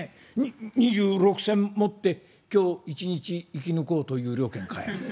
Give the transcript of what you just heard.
２６銭持って今日一日生き抜こうという了見かい。